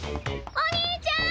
お兄ちゃん！